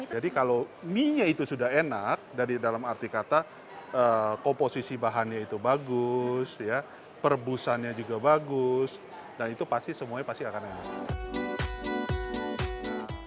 jadi kalau mie nya itu sudah enak dari dalam arti kata komposisi bahannya itu bagus perbusannya juga bagus dan itu pasti semuanya pasti akan enak